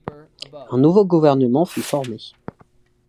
Un nouveau gouvernement fut formé.